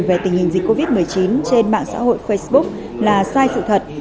về tình hình dịch covid một mươi chín trên mạng xã hội facebook là sai sự thật